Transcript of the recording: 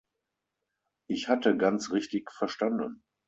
Ich hatte ganz richtig verstanden.